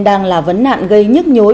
đang là vấn nạn gây nhức nhối